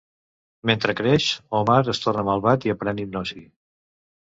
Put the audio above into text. Mentre creix, Omar es torna malvat i aprèn hipnosi.